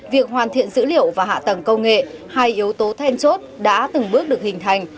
việc hoàn thiện dữ liệu và hạ tầng công nghệ hai yếu tố then chốt đã từng bước được hình thành